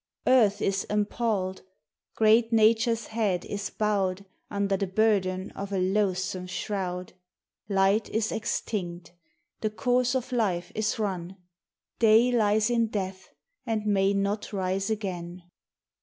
Earth is em palled, great Nature's head is bowed Under the burden of a loathsome shroud. Light is extinct, the course of life is run, Day lies in death and may not rise again.